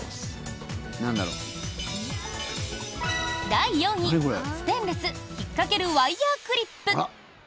第４位、ステンレスひっかけるワイヤークリップ。